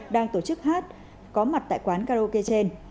đang tổ chức hát có mặt tại quán karaoke trên